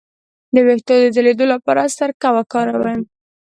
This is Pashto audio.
د ویښتو د ځلیدو لپاره سرکه وکاروئ